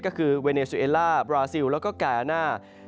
ก็คือเวเนซูเอล่าบราซิลแล้วก็กาน่า